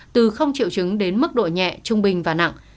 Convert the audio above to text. từ không triệu chứng đến mức độ nhẹ trung bình và nặng